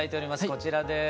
こちらです。